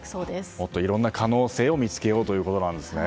もっといろんな可能性を見つけようということですね。